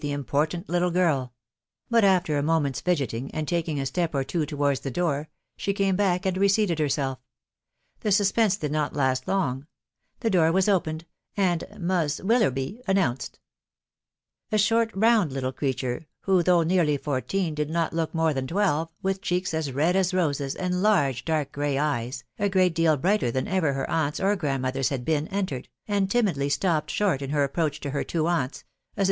the in» portant little girl ; but, after a moment's ndgetingy and taking: a step ortwo towards the door, she came back and. reseated herself: The suspense did not lftstlongj th*«dooirwaa> opened,, and "■ Muss Willerby " announced; A short; round> little creature^ who, though neatly fourteen did not look more* than* twelve, with oheeka*a* rtoYaa rosea, and large dark grey eyesy a great deal brighten than ever her aunt's or granumother's had been, entered, and timidly stopped short iu her approach to her two auatsy aa if?